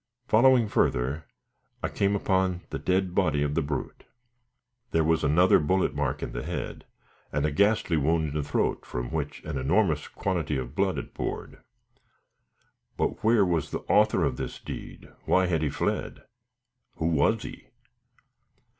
Following further, I came upon the dead body of the brute. There was another bullet mark in the head, and a ghastly wound in the throat from which an enormous quantity of blood had poured. But where was the author of this deed? Why had he fled? Who was he?